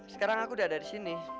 sekarang aku udah ada disini